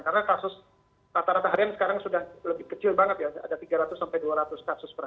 karena kasus rata rata harian sekarang sudah lebih kecil banget ya ada tiga ratus dua ratus kasus per hari sekarang